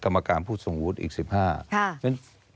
กรรมการผู้ทรงวุฒิอีก๑๕ฉะ